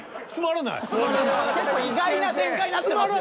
結構意外な展開になってますよ。